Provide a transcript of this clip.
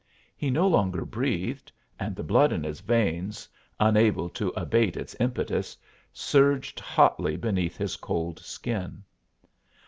He no longer breathed, and the blood in his veins, unable to abate its impetus, surged hotly beneath his cold skin.